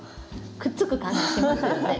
くっつく感じしますよね。